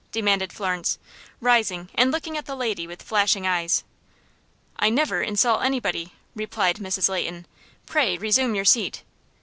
demanded Florence, rising and looking at the lady with flashing eyes. "I never insult anybody," replied Mrs. Leighton. "Pray, resume your seat."